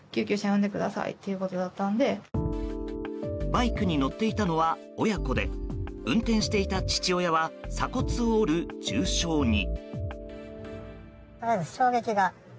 バイクに乗っていたのは親子で運転していた父親は鎖骨を折る重傷に。。